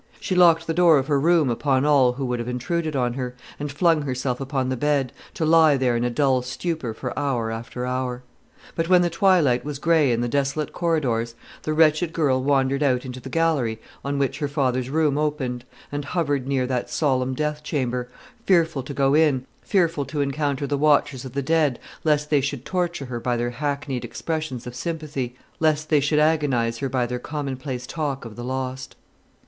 She locked the door of her room upon all who would have intruded on her, and flung herself upon the bed, to lie there in a dull stupor for hour after hour. But when the twilight was grey in the desolate corridors, the wretched girl wandered out into the gallery on which her father's room opened, and hovered near that solemn death chamber; fearful to go in, fearful to encounter the watchers of the dead, lest they should torture her by their hackneyed expressions of sympathy, lest they should agonise her by their commonplace talk of the lost.